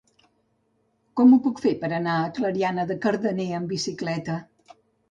Com ho puc fer per anar a Clariana de Cardener amb bicicleta?